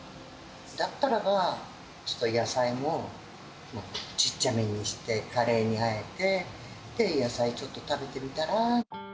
だったらば、ちょっと野菜も、ちっちゃめにして、カレーにあえて、野菜ちょっと食べてみたら。